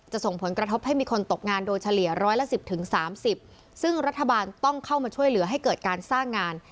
ส่งผลกระทบให้มีคนตกงานโดยเฉลี่ยร้อยละ๑๐๓๐ซึ่งรัฐบาลต้องเข้ามาช่วยเหลือให้เกิดการสร้างงาน